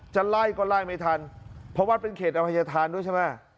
จะไล่ก็ไล่ไม่ทันเพราะวัดเป็นเขตอภัยธานด้วยใช่ไหม